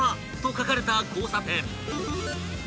書かれた交差点］